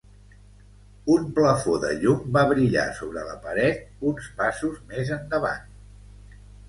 Un plafó de llum va brillar sobre la paret uns passos més endavant.